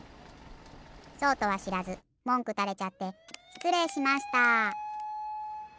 そうとはしらずもんくたれちゃってしつれいしました。